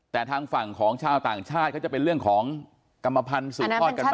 แต่ทางฝั่งของชาวต่างชาติเขาจะเป็นเรื่องของกรรมพันธุ์สืบทอดกันมา